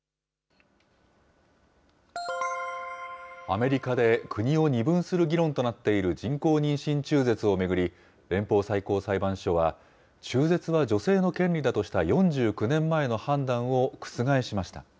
アメリカで国を二分する議論となっている人工妊娠中絶を巡り、連邦最高裁判所は中絶は女性の権利だとした４９年前の判断を覆し